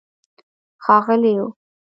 ښاغلیو